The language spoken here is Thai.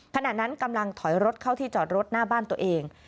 ขณะนั้นกำลังถอยรถเข้าที่จอดรถหน้าบ้านตัวเอง